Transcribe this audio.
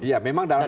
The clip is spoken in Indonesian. iya memang dalam